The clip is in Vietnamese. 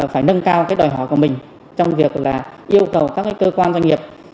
phải nâng cao cái đòi hỏi của mình trong việc là yêu cầu các cơ quan doanh nghiệp